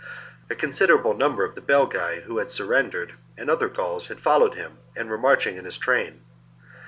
A considerable attack. number of the Belgae who had surrendered and other Gauls had followed him, and were marching in his train.